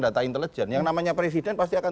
data intelijen yang namanya presiden pasti akan